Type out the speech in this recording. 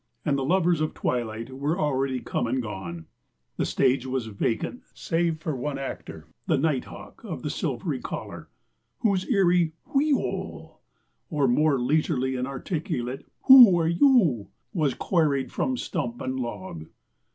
And the lovers of twilight were already come and gone. The stage was vacant save for one actor the nighthawk of the silvery collar, whose eerie wheeeo! or more leisurely and articulate who are you? was queried from stump and log.